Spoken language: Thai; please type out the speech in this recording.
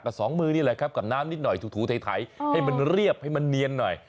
สองมือนี่แหละครับกับน้ำนิดหน่อยถูไถให้มันเรียบให้มันเนียนหน่อย